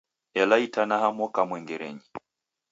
Ela itanaha moka mwengerenyi